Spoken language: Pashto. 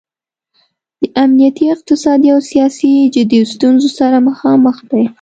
د امنیتي، اقتصادي او سیاسي جدي ستونځو سره مخامخ دی.